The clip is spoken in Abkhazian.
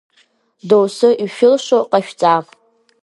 Доусы ишәылшо ҟашәҵа!